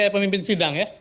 ini dia pemimpin sidang ya